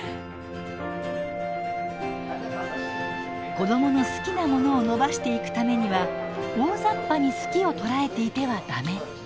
子どもの好きなものを伸ばしていくためには大ざっぱに「好き」を捉えていては駄目。